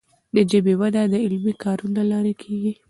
د ژبي وده د علمي کارونو له لارې کیږي.